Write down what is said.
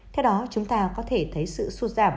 theo đó chúng ta có thể thấy sự sụt giảm